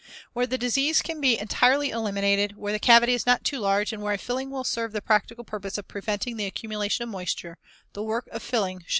(Fig. 116.) Where the disease can be entirely eliminated, where the cavity is not too large, and where a filling will serve the practical purpose of preventing the accumulation of moisture, the work of filling should be resorted to.